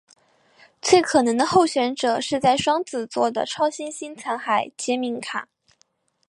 最可能的候选者是在双子座的超新星残骸杰敏卡。